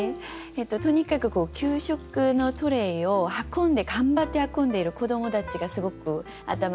とにかく給食のトレーを運んで頑張って運んでいる子どもたちがすごく頭に浮かんできて。